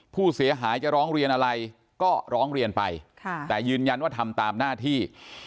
ผู้เสียหายจะร้องเรียนอะไรก็ร้องเรียนไปแต่ยืนยันว่าทำตามหน้าที่